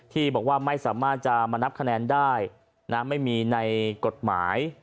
ที่บอกว่าไม่สามารถจะมานับคะแนนได้ไม่มีในกฎหมาย